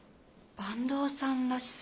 坂東さんらしさ？